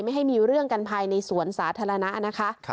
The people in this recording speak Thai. ให้มีเรื่องกันภายในสวนสาธารณะนะคะ